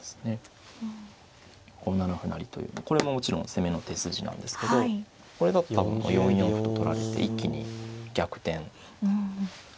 ５七歩成というこれももちろん攻めの手筋なんですけどこれだと多分４四歩と取られて一気に逆転しますね。